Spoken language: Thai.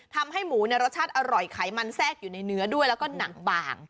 ทำให้หมูรสชาติอร่อยไขมันแทรกอยู่ในเนื้อด้วยแล้วก็หนังบาง